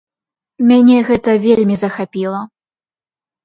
Мяне гэта вельмі захапіла.